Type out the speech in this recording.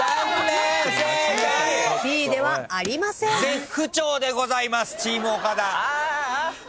絶不調でございますチーム岡田。